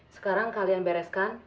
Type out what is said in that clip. sekarang kalian bereskan